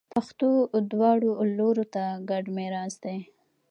پښتو دواړو لورو ته ګډ میراث دی.